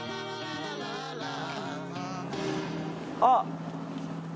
あっ！